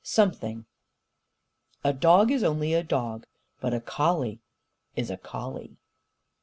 "SOMETHING" A dog is only a dog. But a collie is a collie.